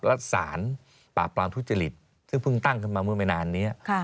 และสารปราบปรามทุจริตซึ่งเพิ่งตั้งขึ้นมาเมื่อไม่นานนี้